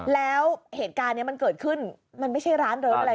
แล้วเหตุการณ์นี้มันเกิดขึ้นมันไม่ใช่ร้านเริฟอะไร